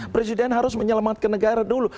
presiden harus menyelamatkan negara dulu